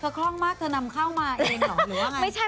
คล่องมากเธอนำเข้ามาเองเหรอหรือว่าไง